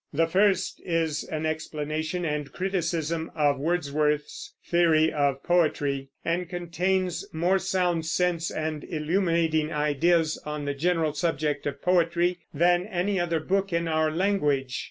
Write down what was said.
The first is an explanation and criticism of Wordsworth's theory of poetry, and contains more sound sense and illuminating ideas on the general subject of poetry than any other book in our language.